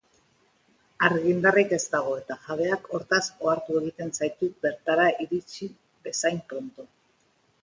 Argindarrik ez dago eta jabeak hortaz ohartu egiten zaitu bertara iritsi bezain pronto.